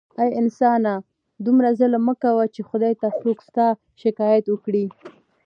اې انسانه دومره ظلم مه کوه چې خدای ته څوک ستا شکایت وکړي